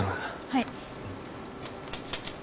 はい。